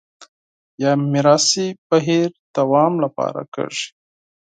یا میراثي بهیر دوام لپاره کېږي